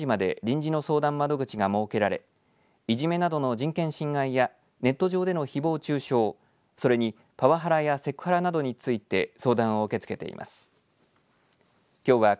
金沢市役所では、午後３時まで臨時の相談窓口が設けられいじめなどの人権侵害やネット上でのひぼう中傷それにパワハラやセクハラなどについて相談を受け付けています。